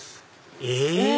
え！